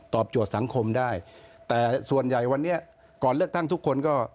โจทย์สังคมได้แต่ส่วนใหญ่วันนี้ก่อนเลือกตั้งทุกคนก็